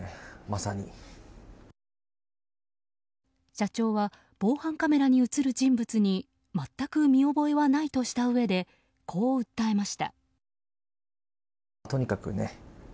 社長は防犯カメラに映る人物に全く見覚えはないとしたうえでこう訴えました。